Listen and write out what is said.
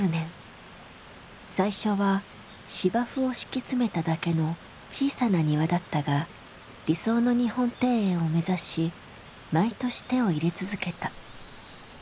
最初は芝生を敷き詰めただけの小さな庭だったが理想の日本庭園を目指し毎年手を入れ続けた。